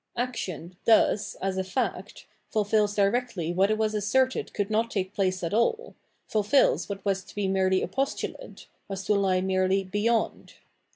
Action thus, as a fact, fulfils directly what it was asserted could not take place at all, fulfils what was to be merely a postulate, was to lie merely " beyond."